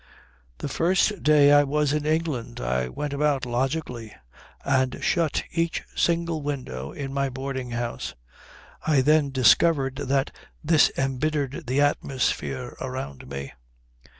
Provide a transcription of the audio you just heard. "The first day I was in England I went about logically, and shut each single window in my boarding house. I then discovered that this embittered the atmosphere around me."